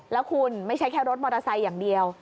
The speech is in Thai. แล้วคุณไม่ใช่แค่รถมอเตอร์ไซค์อย่างเดียว